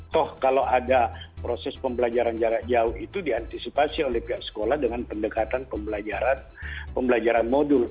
toh kalau ada proses pembelajaran jarak jauh itu diantisipasi oleh pihak sekolah dengan pendekatan pembelajaran modul